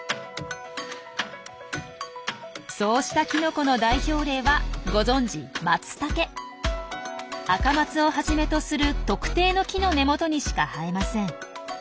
そうしたキノコの代表例はご存じアカマツをはじめとする特定の木の根元にしか生えません。